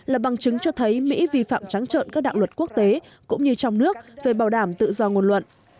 là bằng chứng cho thấy mỹ vi phạm trắng trợn các đạo luật quốc tế cũng như trong nước về bảo đảm tự do ngôn luận